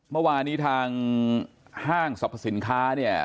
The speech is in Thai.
เมื่อวานี้ทางห้างสรรพสินค้าเนี่ย